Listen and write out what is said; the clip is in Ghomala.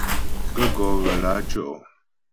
Gaə̂ gɔ́ ghə lǎ tyə́'ɔ ?